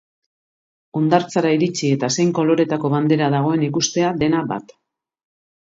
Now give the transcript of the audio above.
Hondartzara iritsi eta zein koloretako bandera dagoen ikustea dena bat.